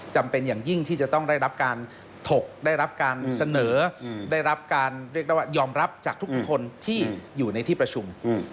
จำเป็นอย่างยิ่งที่จะต้องได้รับการถกได้รับการเสนอได้รับการเรียกได้ว่ายอมรับจากทุกคนที่อยู่ในที่ประชุม